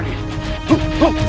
kau tidak akan selamat